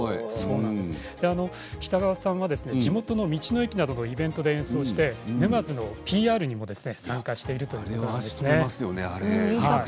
北川さんは地元の道の駅などのイベントで演奏して町のＰＲにも参加しているということです。